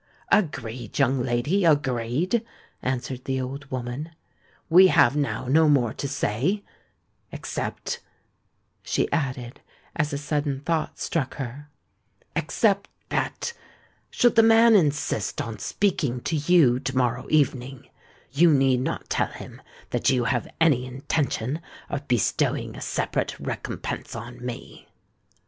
"Agreed, young lady—agreed!" answered the old woman. "We have now no more to say—except," she added, as a sudden thought struck her,—"except that, should the man insist on speaking to you to morrow evening, you need not tell him that you have any intention of bestowing a separate recompense on me."